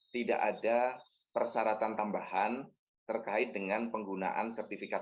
tidak ada persyaratan tambahan terkait dengan penggunaan sertifikat